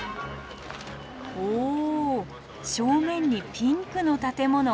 お正面にピンクの建物。